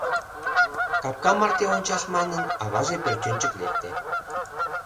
Капка марте ончаш манын, аваже пӧртӧнчык лекте.